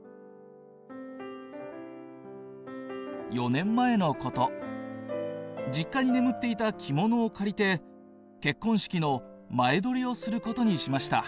「４年前のこと、実家に眠っていた着物を借りて、結婚式の前撮りをすることにしました。